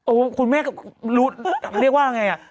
โอ๊ยคุณแม่เรียกว่าอย่างไร